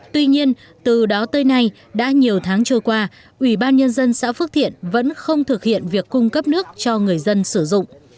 tuy nhiên từ đó tới nay đã nhiều tháng trôi qua ủy ban nhân dân xã phước thiện vẫn không thực hiện việc cung cấp nước cho người dân sử dụng